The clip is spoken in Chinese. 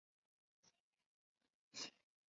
光叶娃儿藤为夹竹桃科娃儿藤属娃儿藤的变种。